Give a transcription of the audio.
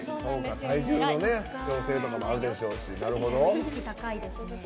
体重も調整とかあるでしょうし。